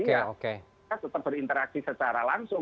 jadi ya tetap berinteraksi secara langsung